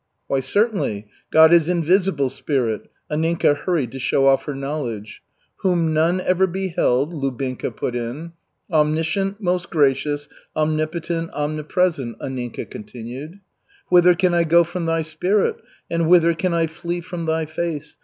"Why, certainly. God is invisible Spirit." Anninka hurried to show off her knowledge. "Whom none ever beheld," Lubinka put in. "Omniscient, most Gracious, Omnipotent, Omnipresent," Anninka continued. "Whither can I go from Thy spirit and whither can I flee from Thy face?